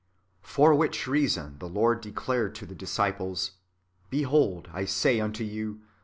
For which reason the Lord declared to the disciples :" Behold, I say unto you.